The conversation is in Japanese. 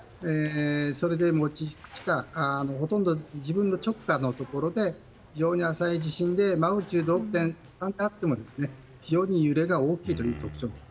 それで、ほとんど自分の直下のところで非常に浅い地震でマグニチュード６．３であっても非常に揺れが大きいという。